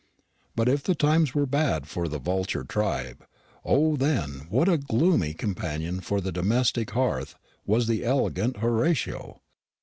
But if the times were bad for the vulture tribe O, then, what a gloomy companion for the domestic hearth was the elegant Horatio!